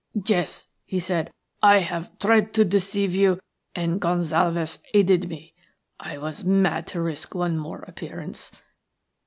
"Yes," he said, "I have tried to deceive you, and Gonsalves aided me. I was mad to risk one more appearance.